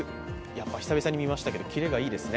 久々に見ましたけど、キレがいいですね。